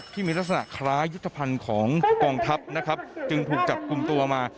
ที่มีลักษณะคล้ายยุทธภัณฑ์ของกองทัพนะครับจึงถูกจับกลุ่มตัวมา